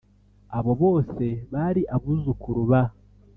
Abo bose bari abuzukuru ba